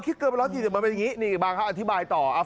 คิดเกินไปร้อยสี่สิบมันเป็นอย่างงี้นี่บังครับอธิบายต่ออ่า